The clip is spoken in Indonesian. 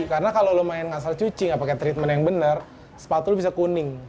karena kalau lo main asal cuci gak pakai treatment yang benar sepatu bisa kuning